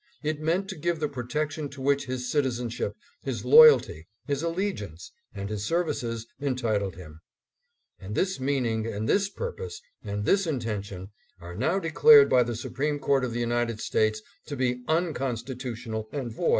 It meant to give the protection to which his citizenship, his loyalty, his allegiance, and his services entitled him ; and this mean ing and this purpose and this intention are now de clared by the Supreme Court of the United States to be unconstitutional and void.